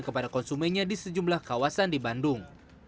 kepada konsumennya di sejumlah kawasan di bandung